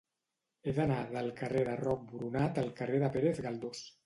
He d'anar del carrer de Roc Boronat al carrer de Pérez Galdós.